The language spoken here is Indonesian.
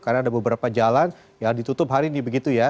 karena ada beberapa jalan yang ditutup hari ini begitu ya